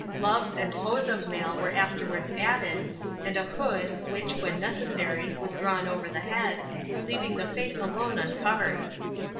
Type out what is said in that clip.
Gloves and hose of mail were afterwards added, and a hood, which, when necessary, was drawn over the head, leaving the face alone uncovered.